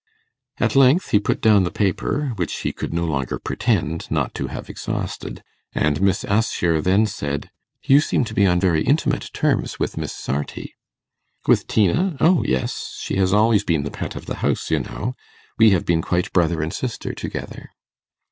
At length he put down the paper, which he could no longer pretend not to have exhausted, and Miss Assher then said, 'You seem to be on very intimate terms with Miss Sarti.' 'With Tina? oh yes; she has always been the pet of the house, you know. We have been quite brother and sister together.